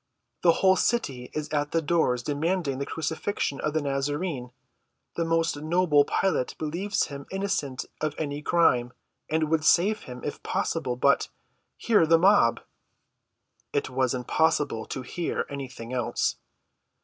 "The whole city is at the doors demanding the crucifixion of the Nazarene. The most noble Pilate believes him innocent of any crime, and would save him if possible; but—hear the mob!" It was impossible to hear anything else.